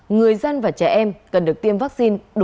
người dân và trẻ em cần được tiêm vaccine đúng lịch và đủ liều